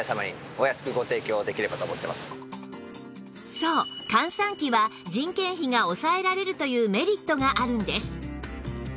そう閑散期は人件費が抑えられるというメリットがあるんです